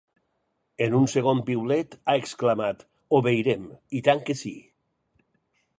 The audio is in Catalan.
En un segon piulet ha exclamat: Obeirem, i tant que sí.